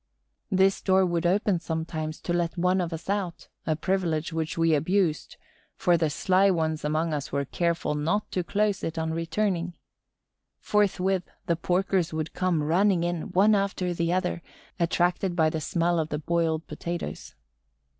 This door would open sometimes to let one of us out, a privilege which we abused, for the sly ones among us were careful not to close it on returning. Forthwith, the porkers would come running in, one after the other, attracted by the smell of the boiled potatoes.